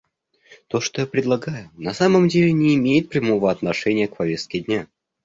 То, что я предлагаю, на самом деле не имеет прямого отношения к повестке дня.